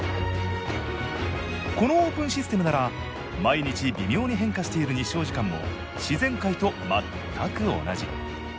このオープンシステムなら毎日微妙に変化している日照時間も自然界と全く同じ。